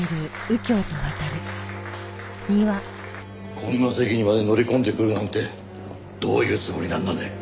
こんな席にまで乗り込んでくるなんてどういうつもりなんだね？